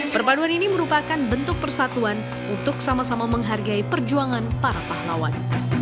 perpaduan ini merupakan bentuk persatuan untuk sama sama menghargai perjuangan para pahlawan